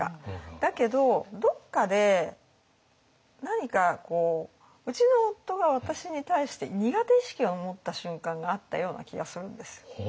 だけどどっかで何かうちの夫が私に対して苦手意識を持った瞬間があったような気がするんですよ。